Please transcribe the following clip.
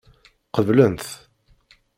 Qeblen-t.